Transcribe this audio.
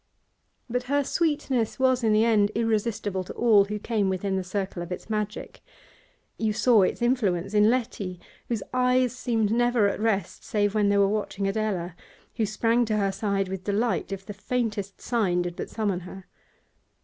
But her sweetness was in the end irresistible to all who came within the circle of its magic. You saw its influence in Letty, whose eyes seemed never at rest save when they were watching Adela, who sprang to her side with delight if the faintest sign did but summon her.